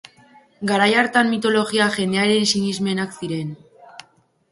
Garai hartan mitologia jendearen sinismenak ziren.